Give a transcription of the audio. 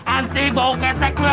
anti bau ketek lu